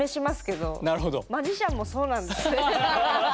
マジシャンもそうなんですね。